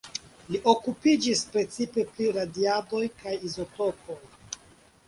Li okupiĝis precipe pri radiadoj kaj izotopoj.